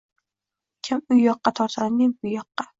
Ukam u yoqqa tortadi, men bu yoqqa.